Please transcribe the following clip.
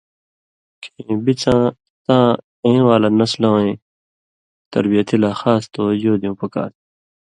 کھیں بِڅَیں تاں اېں والا نسلہ وَیں تربیتی لا خاص توجہ دېوں پکار تُھو۔